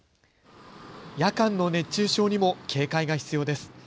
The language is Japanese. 夜間の熱中症にも警戒が必要です。